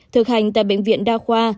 thực hành tại bệnh viện đa khoa